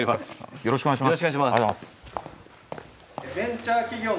よろしくお願いします。